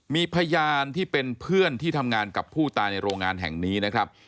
มีพยานที่เป็นเพื่อนที่ทำงานกับผู้ตายในโรงงานแห่งนี้นะครับ